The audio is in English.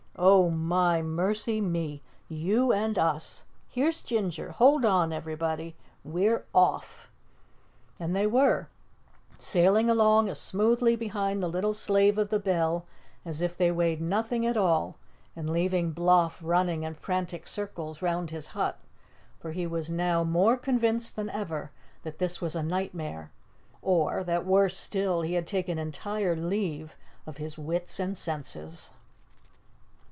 Oh, my, mercy me! You and us! Here's Ginger! Hold on, everybody! We're OFF!" And they were, sailing along as smoothly behind the little slave of the bell as if they weighed nothing at all, and leaving Bloff running in frantic circles round his hut for he was now more convinced than ever that this was a nightmare or that, worse still, he had taken entire leave of his wits and senses.